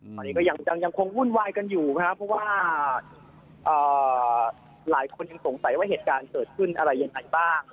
ตอนนี้ก็ยังคงวุ่นวายกันอยู่นะครับเพราะว่าหลายคนยังสงสัยว่าเหตุการณ์เกิดขึ้นอะไรยังไงบ้าง